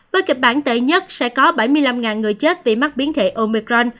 với kịch bản tệ nhất sẽ có bảy mươi năm người chết vì mắc biến thể omicron